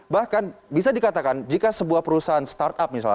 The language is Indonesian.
bahkan bisa dikatakan jika sebuah perusahaan startup misalnya